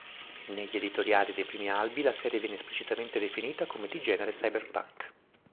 Negli editoriali dei primi albi la serie viene esplicitamente definita come di genere cyberpunk.